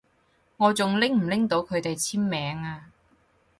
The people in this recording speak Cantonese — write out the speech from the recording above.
我仲拎唔拎到佢哋簽名啊？